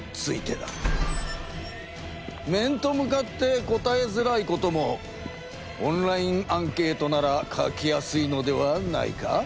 面と向かって答えづらいこともオンラインアンケートなら書きやすいのではないか？